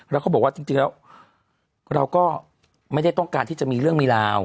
แล้วก็บอกว่าจริงแล้วเราก็ไม่ได้ต้องการที่จะมีเรื่องมีราว